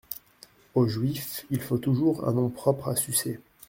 Aux Juifs, il faut toujours un nom propre à sucer.